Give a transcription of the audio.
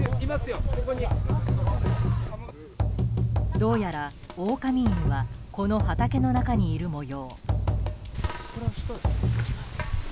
どうやら、オオカミ犬はこの畑の中にいる模様。